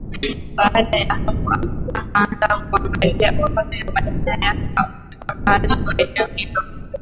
Baada ya hapo akaanza kuangalia orodha ya majina ya wakazi wa eneo hilo